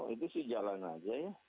itu sih jalan aja ya